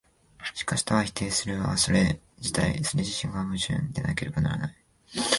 しかし多を否定する一は、それ自身が矛盾でなければならない。